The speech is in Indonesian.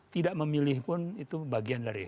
tidak memilih pun itu bagian dari